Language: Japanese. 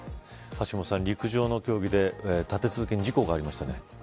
橋下さん、陸上の競技で立て続けに事故がありましたね。